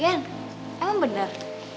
ian emang bener